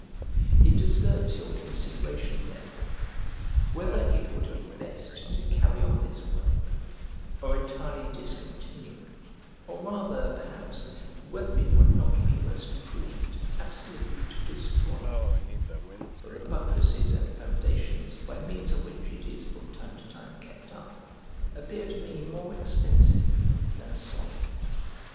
It deserves your consideration, therefore, whether it would be best to carry on this work, or entirely discontinue it, or rather, perhaps, whether it would not be most prudent absolutely to destroy it: for the buttresses and foundations by means of which it is from time to time kept up appear to me more expensive than solid.